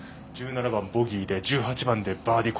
１７番、ボギーで１８番でバーディー。